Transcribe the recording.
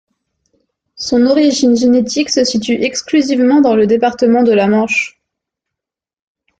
Son origine génétique se situe exclusivement dans le département de la Manche.